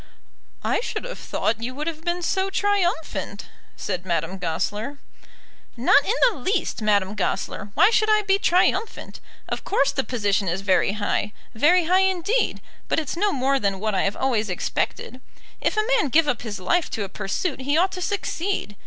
"I should have thought you would have been so triumphant," said Madame Goesler. "Not in the least, Madame Goesler. Why should I be triumphant? Of course the position is very high, very high indeed. But it's no more than what I have always expected. If a man give up his life to a pursuit he ought to succeed.